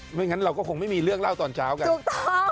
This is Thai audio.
ไม่งั้นเราก็คงไม่มีเรื่องเล่าตอนเช้ากันถูกต้อง